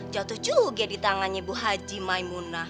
jatuh juga di tangannya ibu haji maimunah